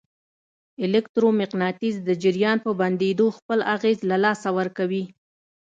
الکترو مقناطیس د جریان په بندېدو خپل اغېز له لاسه ورکوي.